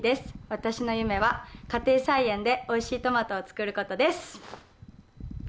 私の夢は家庭菜園でおいしいトマトを作ることです。